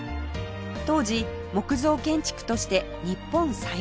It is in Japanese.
当時木造建築として日本最大を誇りました